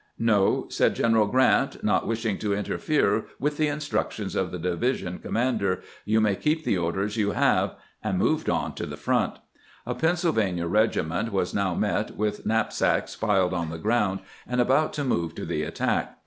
"No," said Q eneral Grrant, not wishing to interfere with the instructions of the division commander, " you may keep the orders you have," and moved on to the front. A Pennsylvania regiment was now met with knapsacks piled on the ground, and about to move to the attack.